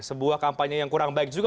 sebuah kampanye yang kurang baik juga